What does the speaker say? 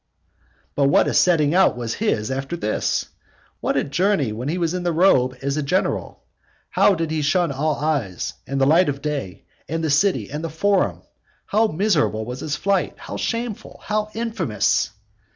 X. But what a setting out was his after this! what a journey when he was in his robe as a general! How did he shun all eyes, and the light of day, and the city, and the forum! How miserable was his flight! how shameful! how infamous!